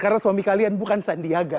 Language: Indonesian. karena suami kalian bukan sandi agak